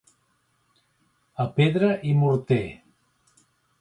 A pedra i morter.